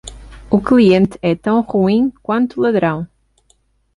O cliente é tão ruim quanto ladrão.